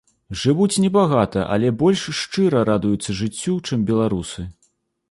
Жывуць небагата, але больш шчыра радуюцца жыццю, чым беларусы.